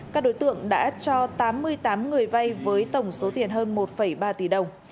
các đối tượng đã cho tám mươi tám người vay với tổng số tiền hơn một ba tỷ đồng